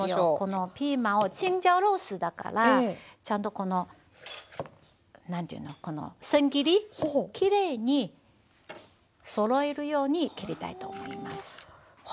このピーマンをチンジャオロースーだからちゃんとこの何て言うのせん切りきれいにそろえるように切りたいと思います。